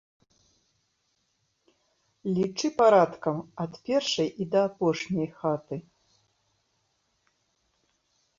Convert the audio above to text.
Лічы парадкам, ад першай і да апошняй хаты.